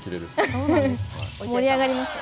盛り上がります。